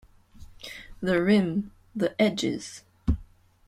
The rim, the edges.